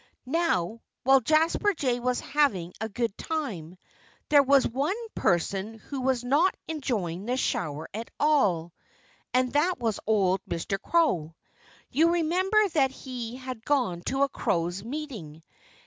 Now, while Jasper Jay was having a good time, there was one person who was not enjoying the shower at all and that was old Mr. Crow. You remember that he had gone to a crows' meeting.